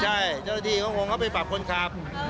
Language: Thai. ใช่เจ้าหน้าที่เขาคงเข้าไปปรับคนขับ